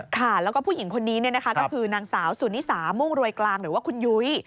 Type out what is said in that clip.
ค่ะแล้วก็ผู้หญิงคนนี้ก็คือนางสาวสุนิสามุ่งรวยกลางหรือว่าคุณยุ้ย